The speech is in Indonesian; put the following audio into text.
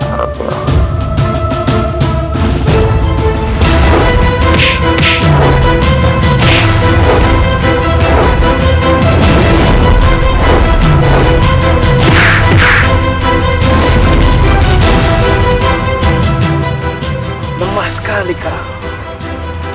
kami harapan bahagia dengan masyarakat